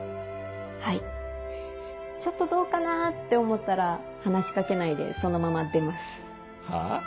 はいちょっとどうかな？って思ったら話し掛けないでそのまま出ますはぁ？